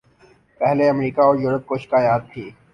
پہلے امریکہ اور یورپ کو شکایت تھی۔